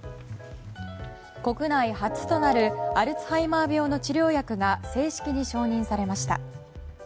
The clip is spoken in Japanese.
国内初となるアルツハイマー病の治療薬が正式に承認されました。